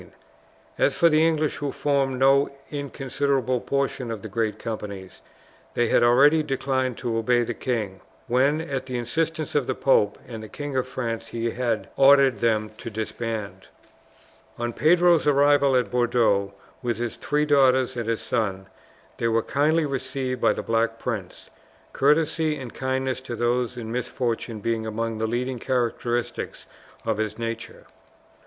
As for the English who formed no inconsiderable portion of the great companies, they had already declined to obey the king, when, at the insistence of the pope and the King of France, he had ordered them to disband. On Pedro's arrival at Bordeaux with his three daughters and his son, they were kindly received by the Black Prince, courtesy and kindness to those in misfortune being among the leading characteristics of his nature.